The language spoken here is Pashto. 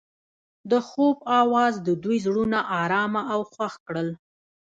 د خوب اواز د دوی زړونه ارامه او خوښ کړل.